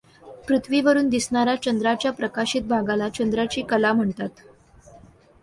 पृथ्वीवरून दिसणाऱ्या चंद्राच्या प्रकाशित भागाला चंद्राची कला म्हणतात.